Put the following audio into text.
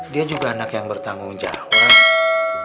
dia juga anak yang bertanggung jawab